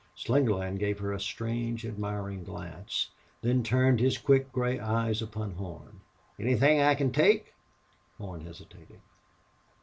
Slingerland gave her a strange, admiring glance, then turned his quick gray eyes upon Horn. "Anythin' I can take?" Horn hesitated.